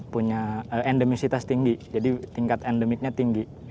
punya endemisitas tinggi jadi tingkat endemiknya tinggi